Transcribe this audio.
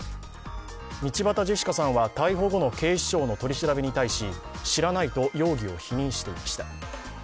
道端ジェシカさんは逮捕後の警視庁の取り調べに対し、知らないと容疑を否認していました。